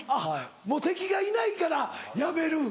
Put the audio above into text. もう敵がいないからやめる。